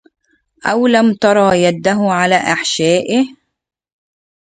أو لم تري يده على أحشائه